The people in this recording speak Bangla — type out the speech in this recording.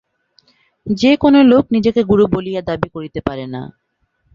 যে-কোন লোক নিজেকে গুরু বলিয়া দাবী করিতে পারে না।